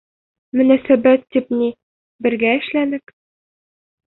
— Мөнәсәбәт, тип ни, бергә эшләнек.